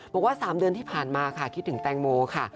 บอกว่า๓เดือนที่ผ่านมาค่ะคิดถึงแตงโมค่ะ